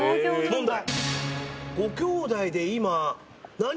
問題。